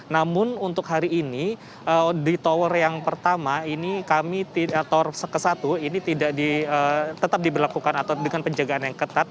namun untuk hari ini di tower yang pertama ini kami tower ke satu ini tetap diberlakukan atau dengan penjagaan yang ketat